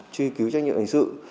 truy cứu trách nhiệm hình sự